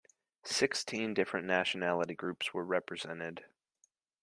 Sixteen different nationality groups were represented.